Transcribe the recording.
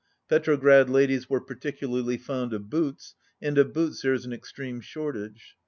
Petrograd ladies were particularly fond of boots, and of boots there is an extreme short age.